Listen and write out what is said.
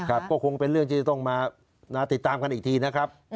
ครับก็คงเป็นเรื่องที่จะต้องมาติดตามกันอีกทีนะครับ